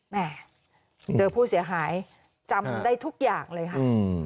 แม่เจอผู้เสียหายจำได้ทุกอย่างเลยค่ะ